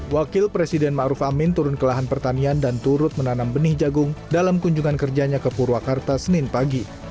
wakil presiden ⁇ maruf ⁇ amin turun ke lahan pertanian dan turut menanam benih jagung dalam kunjungan kerjanya ke purwakarta senin pagi